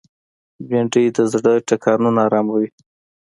بېنډۍ د زړه ټکانونه آراموي